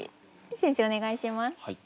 先生お願いします。